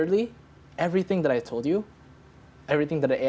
dan ketiga segalanya yang saya katakan